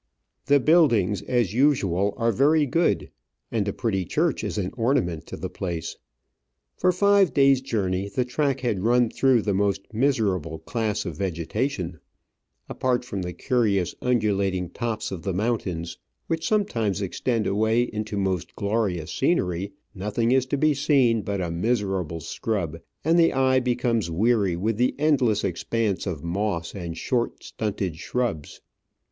The buildings, as usual, are very good, and a pretty church is an ornament to the place. For five days' journey the track had run through the most miserable class of vegetation. Apart from the curious undulating tops of the mountains, which sometimes extend away into most glorious scenery, nothing is to be seen but a miserable scrub, and the eye becomes Digitized by VjOOQIC 122 Travels and Adventures weary with the endless expanse of moss and short, stunted shrubs.